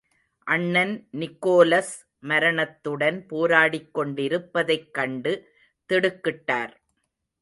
அண்ணன் நிக்கோலஸ் மரணத்துடன் போராடிக் கொண்டிருப்பதைக் கண்டு திடுக்கிட்டார்.